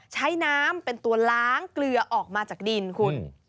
ใช้น้ำเป็นตัวล้างเกลือออกมาจากดินคุณ